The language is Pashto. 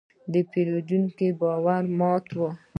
د پیرودونکي باور مه ماتوه.